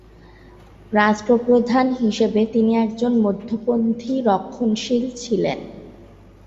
রাষ্ট্রপ্রধান হিসেবে তিনি একজন মধ্যপন্থী রক্ষণশীল ছিলেন।